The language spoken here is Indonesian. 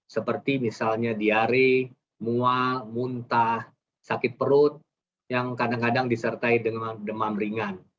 seperti misalnya diare mual muntah sakit perut yang kadang kadang disertai dengan demam ringan